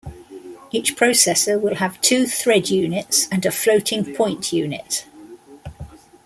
Each processor will have two thread units and a floating point unit.